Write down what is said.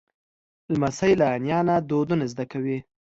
لمسی له نیا نه دودونه زده کوي.